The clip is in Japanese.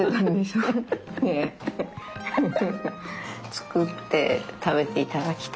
作って食べていただきたい。